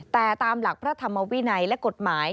แต่ตามหลักพระธรรมวินัยและกฎหมาย